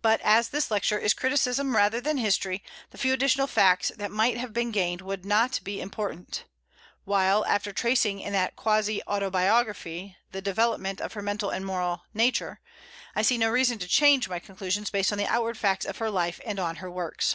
But as this lecture is criticism rather than history, the few additional facts that might have been gained would not be important; while, after tracing in that quasi autobiography the development of her mental and moral nature, I see no reason to change my conclusions based on the outward facts of her life and on her works.